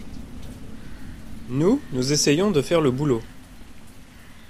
Nous, nous essayons de faire le boulot.